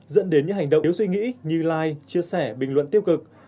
dẫn đến những hành động yếu suy nghĩ như like chia sẻ bình luận tiêu cực